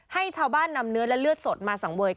ให้ชาวบ้านนำเนื้อและเลือดสดมาสังเวย